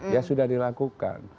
ya sudah dilakukan